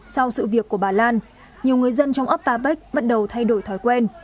sau sự việc của bà lan nhiều người dân trong ấp bà bách bắt đầu thay đổi thói quen